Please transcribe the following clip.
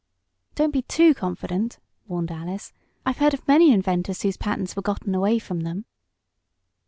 "Don't be too confident," warned Alice. "I've heard of many inventors whose patents were gotten away from them."